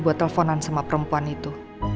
buat teleponan sama perempuan itu